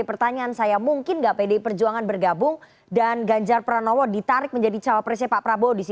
pertanyaan saya mungkin nggak pdi perjuangan bergabung dan ganjar pranowo ditarik menjadi cawapresnya pak prabowo di sini